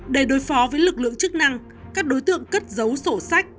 để đối phó với lực lượng chức năng các đối tượng cất dấu sổ sách